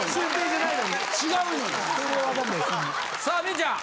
さあ望結ちゃん